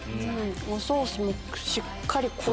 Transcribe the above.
おソースもしっかり濃い。